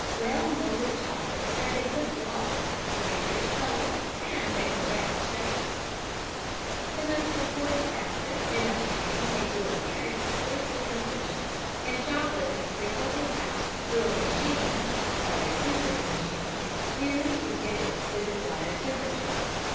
Well moulded chocolate has a good gloss, a rich colour and a correct shape. [Illustration: CHOCOLATE SHAKING TABLE.] The most important factor in obtaining a good appearance is the temperature, and chocolate is frequently passed through a machine (called a tempering machine) merely to give it the desired temperature.